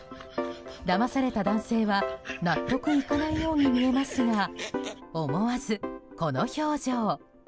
だまされた男性は納得いかないように見えますが思わずこの表情。